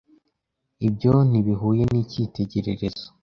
Ibyo ntibihuye nicyitegererezo.